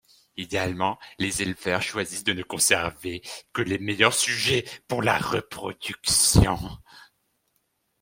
Idéalement, les éleveurs choisissent de ne conserver que les meilleurs sujets pour la reproduction.